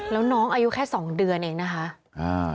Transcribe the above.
แล้วน้องอายุแค่สองเดือนเองนะคะ